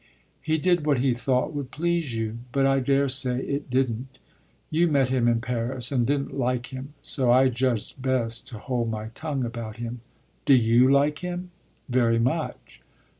"He did what he thought would please you, but I daresay it didn't. You met him in Paris and didn't like him; so I judged best to hold my tongue about him." "Do you like him?" "Very much."